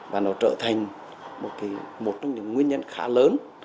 và nó trở thành một trong những nguyên nhân khá lớn